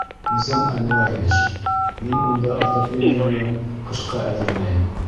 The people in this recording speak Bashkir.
Низам Әнүәрович, мин унда отоплениены ҡышҡа әҙерләйем.